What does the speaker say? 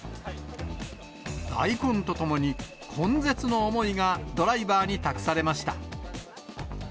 大根とともに根絶の思いがドライバーに託されました。